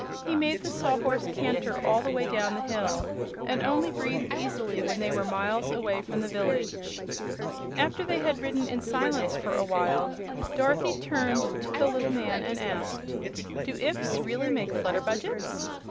He made the Sawhorse canter all the way down the hill, and only breathed easily when they were miles away from the village. After they had ridden in silence for a while Dorothy turned to the little man and asked: "Do 'ifs' really make Flutterbudgets?"